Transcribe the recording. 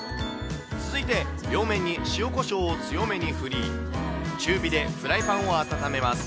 続いて両面に塩こしょうを強めに振り、中火でフライパンを温めます。